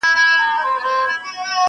رنګ په وینو د خپل ورور او د تربور دی!.